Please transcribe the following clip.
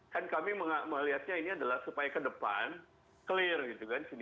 kan kami melihatnya ini adalah supaya ke depan clear gitu kan